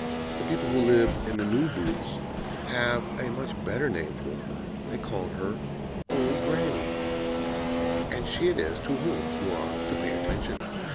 The people who live in the New Booths [*] have a much better name for her; they call her 'old Granny' and she it is to whom you are to pay attention.